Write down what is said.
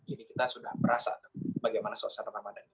jadi kita sudah merasa bagaimana suasana ramadan nya